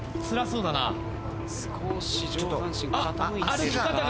少し上半身傾いてるか？